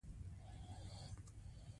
غالۍ معمولا پرانيستې خونې پوښي.